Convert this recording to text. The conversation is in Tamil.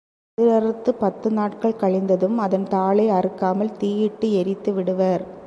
கதிர் அறுத்துப் பத்து நாட்கள் கழிந்ததும் அதன் தாளை அறுக்காமல் தீயிட்டு எரித்து விடுவர்.